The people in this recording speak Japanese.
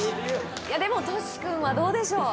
でもとし君はどうでしょう？